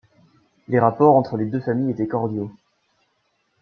Les rapports entre les deux familles étaient cordiaux.